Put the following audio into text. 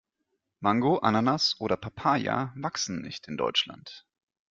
Mango, Ananas oder Papaya wachsen nicht in Deutschland.